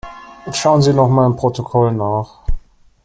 Schauen Sie noch mal im Protokoll nach.